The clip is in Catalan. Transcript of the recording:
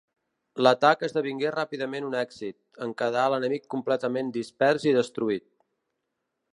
L'atac esdevingué ràpidament un èxit, en quedar l'enemic completament dispers i destruït.